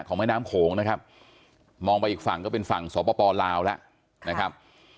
แม่น้ำโขงนะครับมองไปอีกฝั่งก็เป็นฝั่งสปลาวแล้วนะครับ